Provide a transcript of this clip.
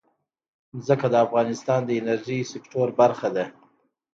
ځمکه د افغانستان د انرژۍ سکتور برخه ده.